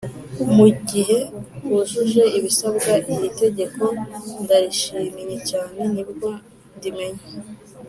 mu gihe wujuje ibisabwa, iri tegeko ndarishimye cyane nibwo ndimenye.”